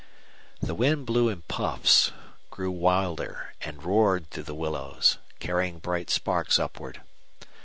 The wind blew in puffs, grew wilder, and roared through the willows, carrying bright sparks upward.